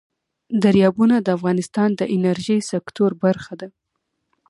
دریابونه د افغانستان د انرژۍ سکتور برخه ده.